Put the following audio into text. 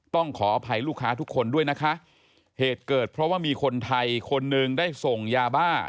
ขออภัยลูกค้าทุกคนด้วยนะคะเหตุเกิดเพราะว่ามีคนไทยคนหนึ่งได้ส่งยาบ้า